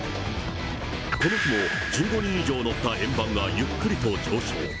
この日も１５人以上乗った円盤がゆっくりと上昇。